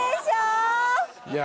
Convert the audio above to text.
いや。